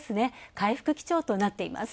回復基調となっています。